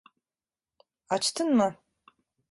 Açtın mı?